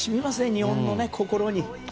日本の心に。